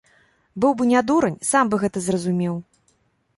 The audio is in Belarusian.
Быў бы не дурань, сам бы гэта зразумеў.